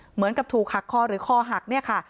เหมือนกับถูกหักคอหรือคอหักเนี่ยค่ะ